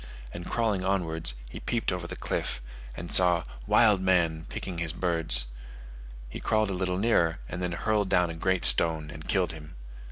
and crawling onwards, he peeped over the cliff, and saw "wild man" picking his birds; he crawled a little nearer, and then hurled down a great stone and killed him.